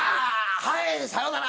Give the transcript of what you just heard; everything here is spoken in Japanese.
はいさようなら！